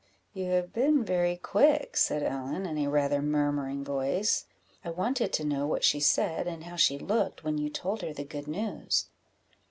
"You have been very quick," said Ellen, in rather a murmuring voice; "I wanted to know what she said and how she looked when you told her the good news."